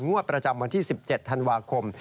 งวดประจำวันที่๑๗ธันวาคม